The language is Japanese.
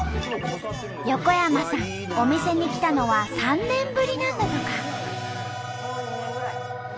横山さんお店に来たのは３年ぶりなんだとか。